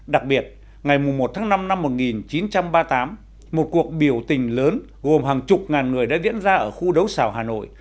đặc biệt ngày một tháng năm năm một nghìn chín trăm ba mươi tám một cuộc biểu tình lớn gồm hàng chục ngàn người đã diễn ra ở khu đấu xào hà nội